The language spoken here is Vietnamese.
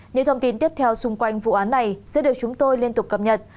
những thông tin tiếp theo xung quanh vụ án này sẽ được chúng tôi liên tục cập nhật